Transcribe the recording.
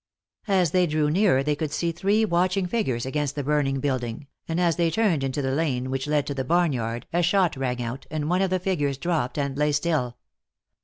As they drew nearer they could see three watching figures against the burning building, and as they turned into the lane which led to the barnyard a shot rang out and one of the figures dropped and lay still.